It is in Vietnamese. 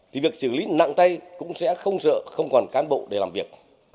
thì việc xử lý nặng tay cũng sẽ không sợ không còn cán bộ để làm việc